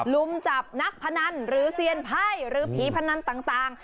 ลุมจับนักพนันหรือเซียนไพ่หรือผีพนันต่าง